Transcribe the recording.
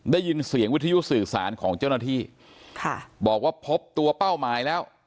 ได้ยินเสียงวิทยุสื่อสารของเจ้าหน้าที่ค่ะบอกว่าพบตัวเป้าหมายแล้ว